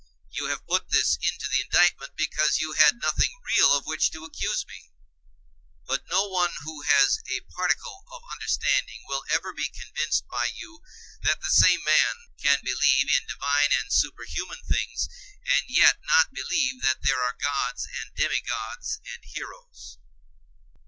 You have put this into the indictment because you had nothing real of which to accuse me. But no one who has a particle of understanding will ever be convinced by you that the same man can believe in divine and superhuman things, and yet not believe that there are gods and demigods and heroes.